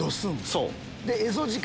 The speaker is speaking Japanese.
そう。